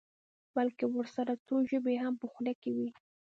بلکې ورسره څو ژبې یې هم په خوله کې وي.